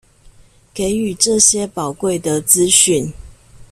給予這些寶貴的資訊